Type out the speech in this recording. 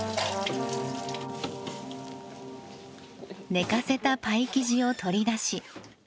寝かせたパイ生地を取り出し